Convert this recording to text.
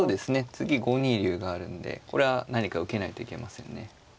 次５二竜があるんでこれは何か受けないといけませんね。